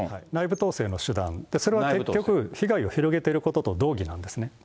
それは結局、被害を広げてることと同義なんですね。